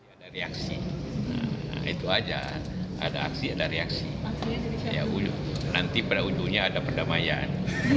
ada reaksi nah itu aja ada aksi ada reaksi nanti pada ujungnya ada perdamaian